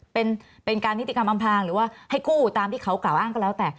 เป็นเป็นการนิติกรรมอำพางหรือว่าให้กู้ตามที่เขากล่าวอ้างก็แล้วแต่